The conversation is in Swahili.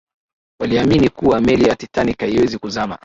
waliamini kuwa meli ya titanic haiwezi kuzama